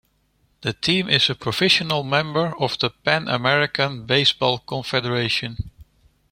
The team is a provisional member of the Pan American Baseball Confederation.